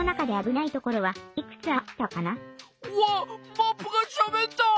マップがしゃべった！